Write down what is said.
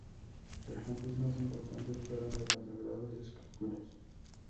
Las fuentes más importantes fueron de "Las Sagradas Escrituras".